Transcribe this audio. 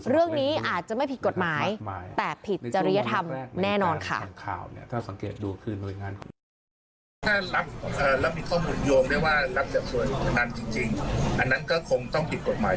เรื่องนี้อาจจะไม่ผิดกฎหมายแต่ผิดจริยธรรมแน่นอนค่ะ